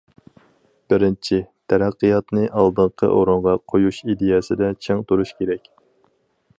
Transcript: بىرىنچى، تەرەققىياتنى ئالدىنقى ئورۇنغا قويۇش ئىدىيەسىدە چىڭ تۇرۇش كېرەك.